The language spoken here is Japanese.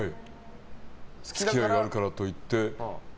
付き合いがあるからと言って。